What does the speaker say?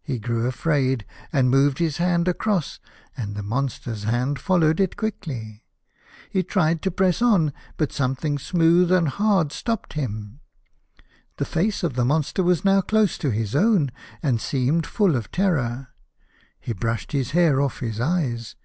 He grew afraid, and moved his hand across, and the monster's hand followed it quickly. He tried to press on, but something smooth and hard stopped him. The face of the monster was now close 57 i A House of Pomegranates. to his own, and seemed full of terror. He brushed his hair off his eyes.